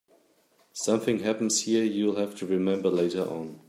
Something happens here you'll have to remember later on.